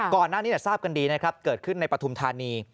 ก่อนหน้านี้ทราบกันดีนะครับเกิดขึ้นในปฐุมธานี